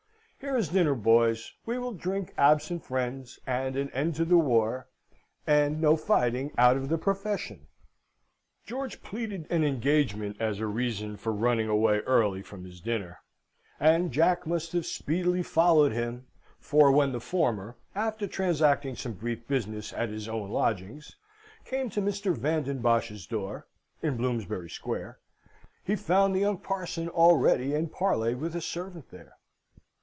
Here is dinner, boys! We will drink absent friends, and an end to the war, and no fighting out of the profession!" George pleaded an engagement, as a reason for running away early from his dinner; and Jack must have speedily followed him, for when the former, after transacting some brief business at his own lodgings, came to Mr. Van den Bosch's door, in Bloomsbury Square, he found the young parson already in parley with a servant there.